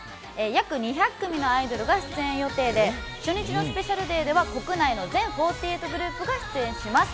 約２００組のアイドルが出演予定で、初日のスペシャルデーでは国内の全４８グループが出演します。